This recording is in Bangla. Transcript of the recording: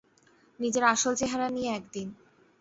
নিজের আসল চেহারা নিয়ে এক দিন!